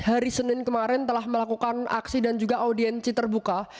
hari senin kemarin telah melakukan aksi dan juga audiensi terbuka